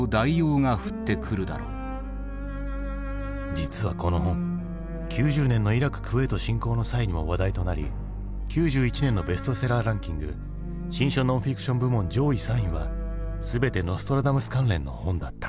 実はこの本９０年のイラククウェート侵攻の際にも話題となり９１年のベストセラーランキング新書・ノンフィクション部門上位３位は全てノストラダムス関連の本だった。